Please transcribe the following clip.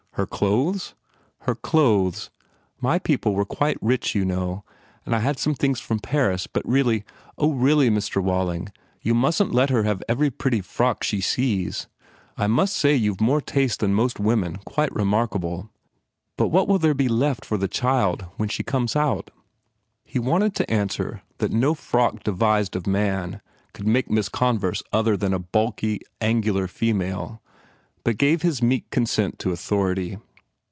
"Her clothes?" "Her clothes. My people were quite rich, you know, and I had things from Paris but really O, really, Mr. Walling, you mustn t let her have every pretty frock she sees! I must say you ve more taste than most women quite re 91 THE FAIR REWARDS markable. But what will there be left for the child when she comes out?" He wanted to answer that no frock devised of man could make Miss Converse other than a bulky, angular female but gave his meek consent to authority.